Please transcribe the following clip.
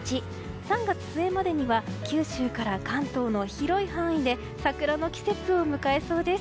３月末までには九州から関東の広い範囲で桜の季節を迎えそうです。